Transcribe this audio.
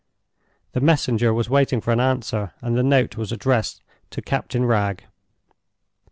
The messenger was waiting for an answer, and the note was addressed to Captain Wragge.